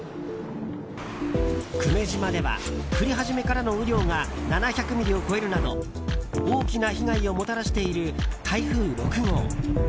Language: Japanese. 久米島では降り始めからの雨量が７００ミリを超えるなど大きな被害をもたらしている台風６号。